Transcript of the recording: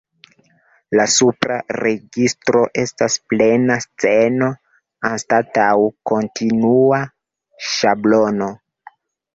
La supra registro estas plena sceno, anstataŭ kontinua ŝablono.